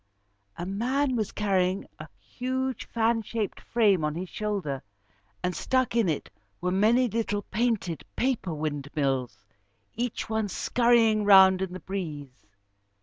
A man was carrying a huge fan shaped frame on his shoulder, and stuck in it were many little painted paper windmills, each one scurrying round in the breeze.